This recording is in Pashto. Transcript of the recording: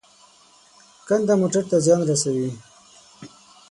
کنده موټر ته زیان رسوي.